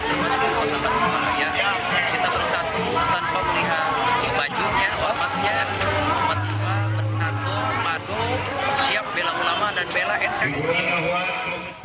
baju nya wajahnya umatnya bersatu madu siap bela ulama dan bela enteng